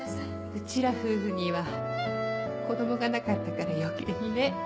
うちら夫婦には子供がなかったから余計にね。